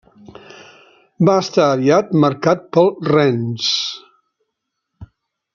Va estar aviat marcat pel Rennes.